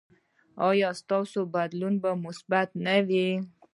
ایا ستاسو بدلون به مثبت نه وي؟